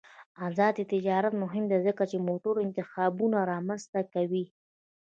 آزاد تجارت مهم دی ځکه چې د موټرو انتخابونه رامنځته کوي.